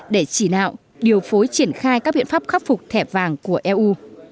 để chỉ đạo điều phối triển khai các biện pháp khắc phục thẻ vàng của eu